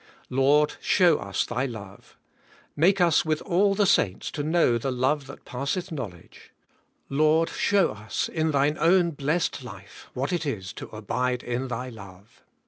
Lord, show us Thy love. Make us with all the AS CHRIST IN THE FATHER. 177 saints to know the love that passeth knowledge. Lord, show us in Thine own blessed life what it is to abide in Thy love.